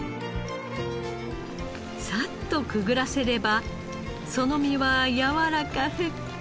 サッとくぐらせればその身はやわらかふっくらに。